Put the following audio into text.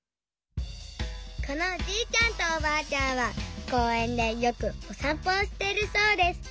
このおじいちゃんとおばあちゃんはこうえんでよくおさんぽをしているそうです。